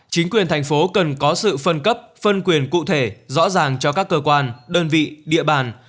chính quyền thành phố cần có sự phân cấp phân quyền cụ thể rõ ràng cho các cơ quan đơn vị địa bàn